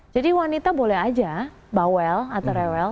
jadi wanita boleh aja bawel atau rewel